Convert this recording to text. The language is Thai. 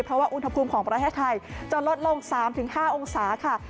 เพราะว่าอุณหภูมิของประเทศไทยจะลดลง๓๕องศาค่ะ